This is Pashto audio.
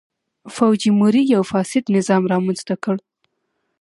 فوجیموري یو فاسد نظام رامنځته کړ.